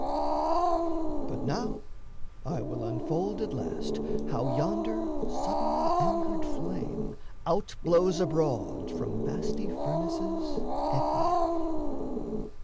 But now I will unfold At last how yonder suddenly angered flame Out blows abroad from vasty furnaces Aetnaean.